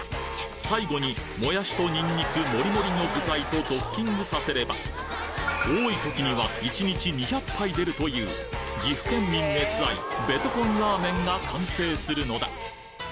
最後にもやしとニンニクモリモリの具材とドッキングさせれば多い時には１日２００杯出るという岐阜県民熱愛ベトコンラーメンが完成するのだ